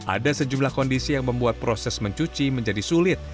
ada sejumlah kondisi yang membuat proses mencuci menjadi sulit